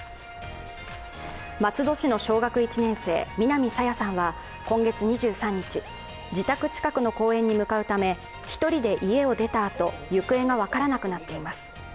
松戸市の小学１年生、南朝芽さんは今月２３日、自宅近くの公園に向かうため１人で家を出たあと行方が分からなくなっています。